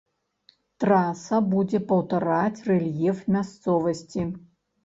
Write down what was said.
Траса будзе паўтараць рэльеф мясцовасці.